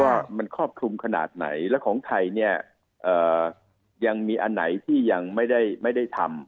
ว่ามันครอบคลุมขนาดไหนและของไทยเนี่ยยังมีอันไหนที่ยังไม่ได้ทำ